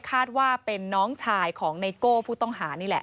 คาดว่าเป็นน้องชายของไนโก้ผู้ต้องหานี่แหละ